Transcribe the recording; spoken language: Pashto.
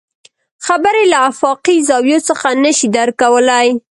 خبرې له افاقي زاويو څخه نه شي درک کولی.